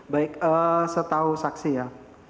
baik setahu saksi ya